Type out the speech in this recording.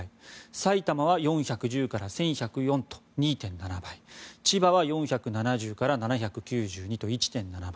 埼玉は４１０から１１０４と２．７倍千葉は４７０から７９２と１．７倍。